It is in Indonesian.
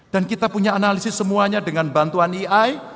dan kita punya analisis semuanya dengan bantuan iai